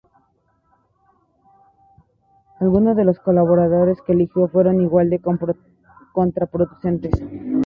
Algunos de los colaboradores que eligió fueron igual de contraproducentes.